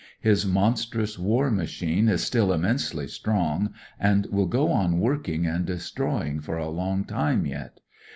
His monstrous war machine is still immensely strong, and will go on working and destroy ing for a long time yet.